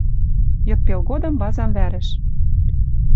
Йыдпел годым вазам вӓрӹш